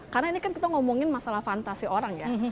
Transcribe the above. karena ini kan kita ngomongin masalah fantasi orang ya